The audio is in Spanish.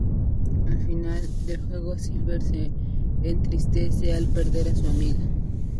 Al final del juego Silver se entristece al perder a su amiga.